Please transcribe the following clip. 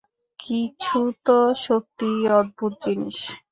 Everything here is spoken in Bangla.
কিছু তো সত্যিই অদ্ভুত জিনিস।